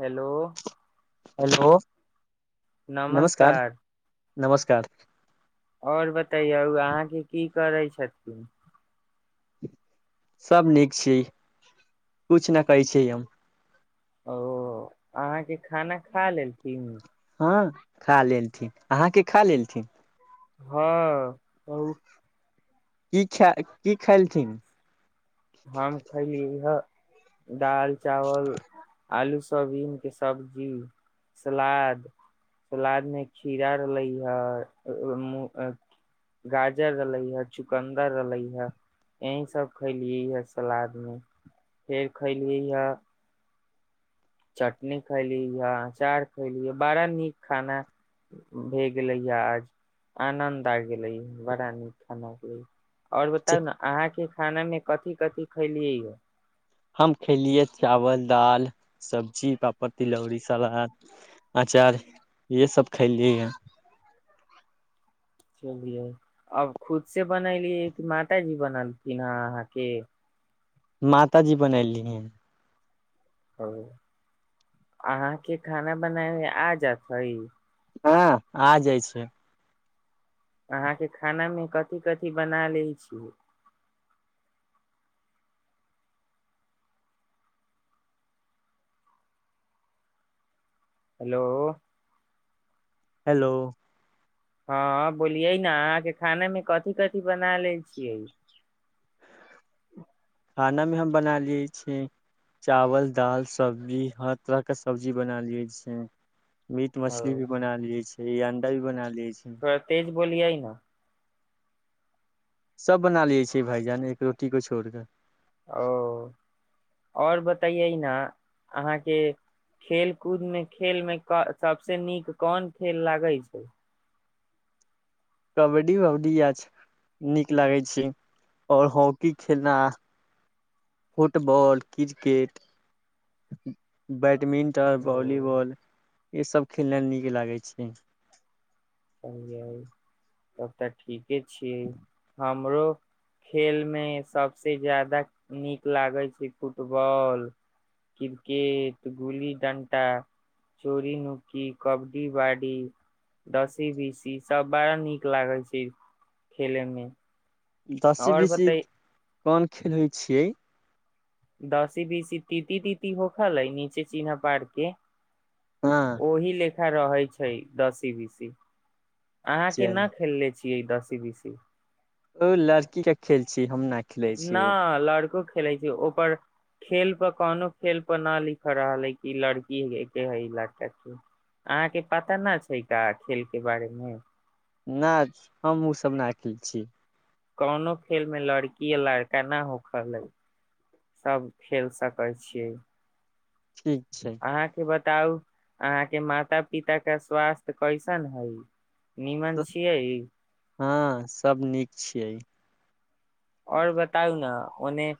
hello hello नमस्कार नमस्कार आओर बतैयौ अहाँके की करै छथिन सभ नीक छियै कुछ न कहै छी हम ओ अहाँ के खाना खा लेलथिन हँ खा लेलथिन अहाँके खा लेलथिन हँ कहू की खै की खेलथिन हम खयलिय दाल चावल आलू सजमैन के सब्जी सलाद सलाद मे खीरा रहले ह गाजर रहले ह चुकन्दर रहले हे यह सब खली खलिय हे सलाद मे फेर खैलियै ह चटनी खैली या अचार खैली बड़ा नीक खाना भए गेलै या आज आनद आ गेले बड़ा नीक खाना आओर बताउ ने अहाँके खाना मे कथी कथी खलियै यऽ हम खलियै चावल दालि सबजी पापड़ तिलौरी सलाद अचार इएहसभ खयलियै ह चलियै अब खुद से बनैली कि माताजी बनलखिन हे अहाँके माताजी बनैली है ओ अहाँके खाना बनाए ह आ जात है हँ आ जाइ छै अहाँके खानामे कथि कथि बना लै छियै हेलो हेलो हँ बोलियै ने अहाँ के खाना मे कथिी कथिी बना ले छियै खानामे हम बना लियै छीिय चावल दाल सब्जी हर तरहके सब्जी बना लियै छीय मीट ओ मछली भी बनालइ छै ई अं्डा भी बना लै छियै बोलिय न सब बना लिये छै भाइजान एक रोटी को छोड़ कऽ ओ आओर बतयै न अहाँके खेल कूद मे खेल मे सबसे नीक कोन खेल लागै छै कबड्डी उबड्डी या छै नीक लागै छै आओर हॉकी खेलना फुटबॉल क्रिकेट बै बैडमिंटन ओ भॉलीबॉल ईसभ खेलनाइ नीक लागै छै तब तऽ ठीक के छिय हम हमरो खेल में सबसे ज्यदा नीक लागे छै फुटबॉल क्रिकेट गुल्ली डंटा चोरी नुक्की कबड्डी बाड़ी ऐ बी सी सब बड़ा नीक लागल छै खेले मे दसी आओर बीसी बतै कम खेलै छियै दसी बीसी तीति तीति होखलै नीचे चिन्ह पार के हँ ओहि ले अच्छा रहै छै दसी बीसी अहाँ चल केना खेलले छी छियै दसी बीसी ओ लड़की के खेल छी हम न खेले छी न लड़को खेले छै ओपर खेल पर कोनो खेल पर न लिख रहल है कि लड़की के है ई लड़का के अहाँ के पता न छै का खेल के बारे मे नहि हमहु सब न अकिल छी कोनो खेल मे लड़की य लड़का नहि होखलइ सभ खेल सकैत छियै ठीक छै अहाँके बात बताउ अहाँ के माता पिता के स्वास्थ्य कैसन हइ नीमन छियै हँ सब नीक छियै और बताउ ने ओने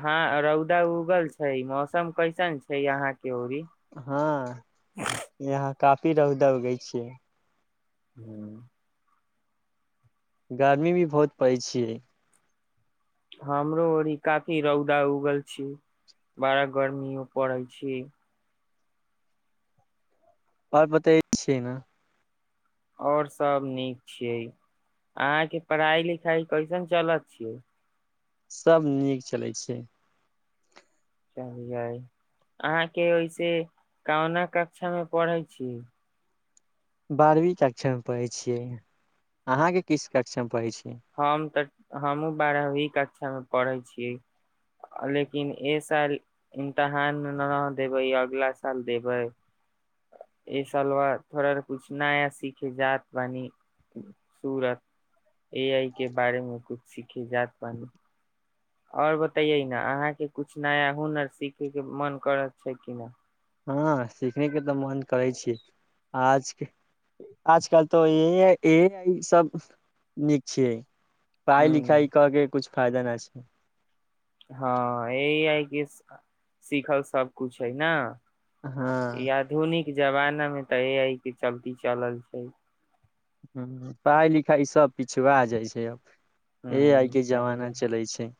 हाँ रौदा उगल छै मौसम कैसन छै यहााँ के ओरी हँ यहाँ काफी रउदा उगै छै [inaudible] गर्मी भी बहुत पड़ै छियै हमरो ओरी काफी रौदा उगल छी बड़ा गर्मीो पड़ल छी आर बताे छिय ने आओर सब नीक छियै अहाँके पढ़ाई लिखाई कैसन चलत छियै सभ नीक चलै छै चलियै अहाँके ओइसे कहुना कक्षामे पढ़ै छी बारहवीं कक्षा मे पढ़ै छियै अहाँ के किस कक्षा मे पढ़ै छियै हम तऽ हमहूँ बारहवी कक्षामे पढ़ैत छी लेकिन ए साल इमतहान न देबै अगला साल देबै एहि सल बाद थोड़ा कुछ नया सीखे जाात बानी सूरत ए आइ के बारे मे किुछ सीखे जात पान आओर बतैयै ने अहाँके कुछ नया हुनर सीखयके मन करत छै कि न हँ सिखने के तऽ मन करै छिय आज आजकल तऽे सब नीक छिय पढ़ाइ लिखाइ ह करके कुछ फायदा नहि छै हँ य है कि सिखल सबकुछु है ने हँ इ आधुनिक जमाना में तऽ य के चलती चलल छै ह पढ़ाइ लिखाइ सब पिछुा जाइ छै अब ह ए आइके जमाना चलियै चलै छै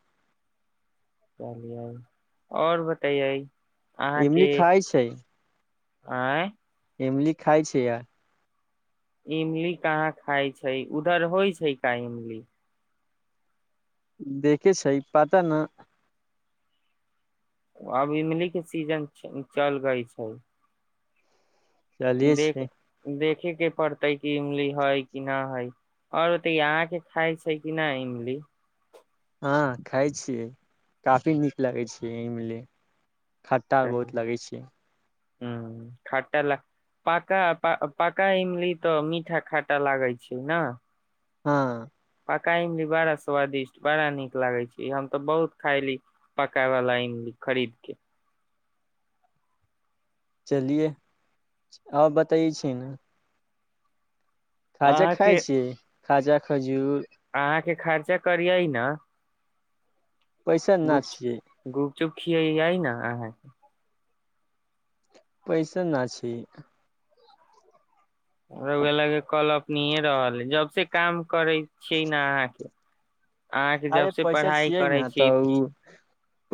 तइ एमल खाय छै आऑँय एमली खाइ छै यार इमली कहाँ खााय छै उधर होइ छै का इमली देखे सह पता न अब इमली के सीजन चल गई छै चले देख छै देख देखे के पड़तै कि इमली है कि नहिा है आओर ओते आहके खााय छै कि नहि इमली हँ खाइ छियै काफी नीक लगै छियै एहिमे लि खट्टा बहुत लगै छै ह खाटा ल पा प्ाका इमली तऽ मीठा खाटा लागै छै ने हँ पका इमली बड़ा स्वादिष्ट बड़ा निक लागे छै हम तो बहुत खायली पकाय वाला इमली खरीद के चलिये आउ बतय छी ने खाजा अहाँ खाइ के छीिय खाजा खजुर अहाँ खर्चा करियइ न पैसा नहि छियै चु खी यइ ने पैसा न छै ल कल अपनीे रहल है जब से काम करै छियै ने अहाँके अहाँके जब अरे से पैसा पढ़ाई छियै करै ने छी तऽ ओ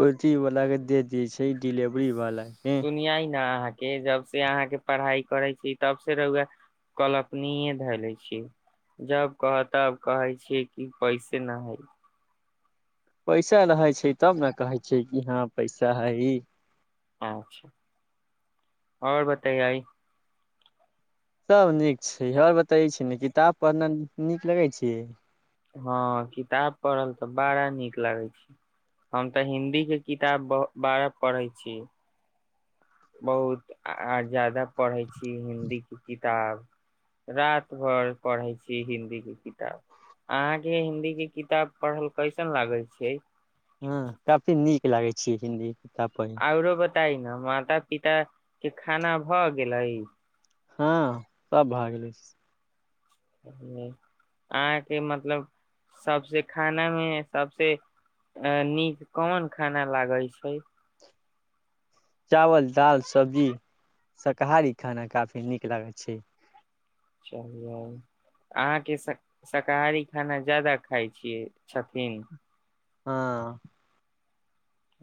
पथी वालला के दे दी छै डिलेवरी वाला के दुनिय न के जब से अहाँके पढ़ाई करै छी तब से रए कल्पनीे धैले छी जब कह तब कहे छीिय कि पैसे न है पैसा रहै छै तब ने कहै छैिय कि हँ पैसा हइ अचछा आओर बताय आइ सभ नीक छै हर बतै छी ने किताब पढ़ना नीक लगै छै हँ किताब पढ़ल तऽ बड़ा नीक लागै छै हम तऽ हिन्दीक के किताब बारा पढ़ैत छीिय बहुत आ ज्यादा पढ़ै छी हिंदी के किताब रात भर पढ़े छी हिदी के किताब अहाँके हिन्दी के किताब पढ़ल कैसन लागै छै हँ काफी नीक लागै छी हिन्दी कित पढ़ तहि ने माता पिता के खाना भऽ गेलै हँ सब भए गेलै अहाँके मतलब सभस खानामे सभस नीक कोन खाना लागै छै चावल दाल सब्जी शाकाहारी खाना काफी नीक लागैत छै चलिय अहाँके श शाकाहारी खाना ज्यादा खाइ छियै छथिन हँ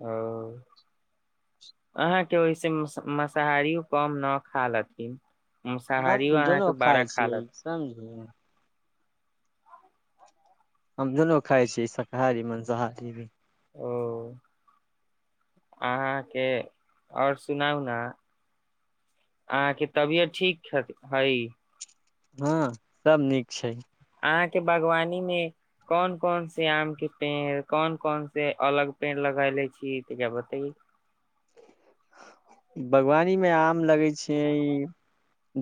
ओ अहाँके ओहिसे मसाहारियो कम न खा लेथिन ह दुोनू खााय छियै समझलिय हम दुनू खााय छीै शाकाहारी मांसाहारी भी ओ अहाँके आओर सुनाउ ने अहाँके तबियत ठीक हइ हँ सब नीक छै अहा के बागवानी में कोन कोन से आम के पेड़ कोन कोन से अलग पेड़ लगले छी तऽ का बताे बागवानीमे आम लगै छैिय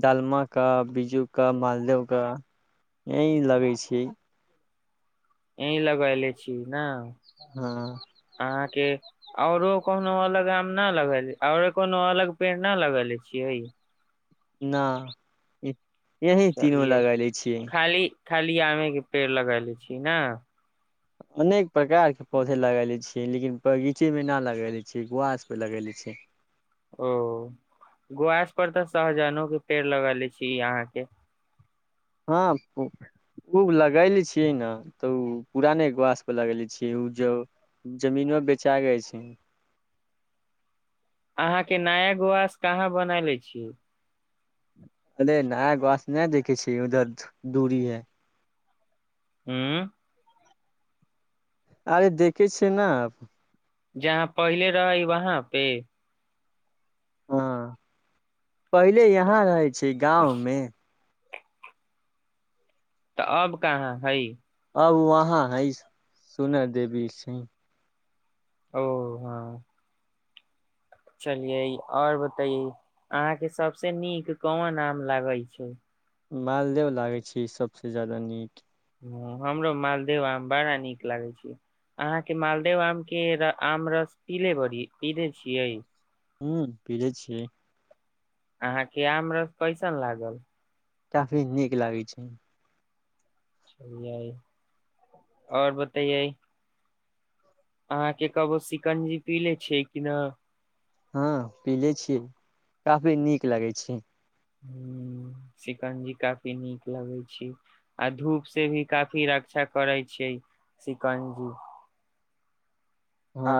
डालमाके बिीज्जूके मालदेहके य लगै छै ए लगैले छी न हँ के औरो कोनो अलग आम नहि लगे और कोनो अलग पेड़ न लगेले छियै न यही तीनोू चलिये लगा लै छियै खाली खाली आमे के पेड़ लगा ले छी ने अनेक प्रकारके पौधे लगाय लै छियै लेकिन बगीचेमे नहि लगाय लै छियै गुआासपर लगय लै छियै ओ गास पर तऽ सहजनोो के पेड़ लग ले छी अहाँके हँ ओ लगैले छियै ने तऽ ओ पूरा नहि घासप लगले छियै ओ ज जमीनो बेचा गे छै अहाँके नायकवास कहाँ बना ले छियै अरे नया गछ नहि देखै छ उधर दूरी है हँ अरे देखे छिय न जहाँ पहिले रहै वहाँ पे हँ पहिले यहाँ रहै छै छै गाँवमे तऽ अब कहाँ हइ अब वहाँ है सुना देबी छै ओ हँ चलियै आओर बतैे अहाँके सबसे नीक कोन आम लागै छै मालदे लागैत छै सभसँ ज्यादा नीक ह हमरो मालदेव आम बड़ा नीक लागे छै अहाँके मालदेव आम के आम रस पीले बी पीले छियै हू फिरे छिय अहाँके आम रस कैसन लागल काफी नीक लागै छै आओर बतैए अहाँके कहबो सिकंजी पी ले छैिय कि नहि हँ पीले छियै काफी नीक लगै छै ह सिकंजी काफी नीक लगै छै आ धूप से भी काफी रक्षा करै छीियै सिकंजी आ हँ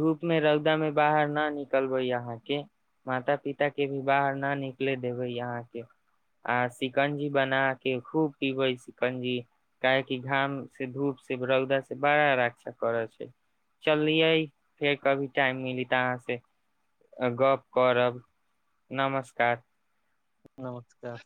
धूप मे रौदा में बाहर ना निकलबै यहा के माता पिता के भी बाहर ना निकले देबे यहा के आ सिकंजी बना के खूब पीबे सिकंजी काहेक घाम से धूप से रौदा से बड़ा रक्षा करै छै चललियै फेर कभी टाइम मिली तऽ अहाँ से गप करब नमस्कार नमस्कार